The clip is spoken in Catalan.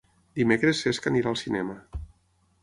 Dimecres en Cesc irà al cinema.